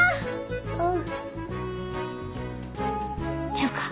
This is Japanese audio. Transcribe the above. ちゃうか。